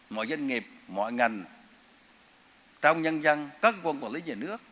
mọi doanh nghiệp mọi ngành trong nhân dân các cơ quan quản lý nhà nước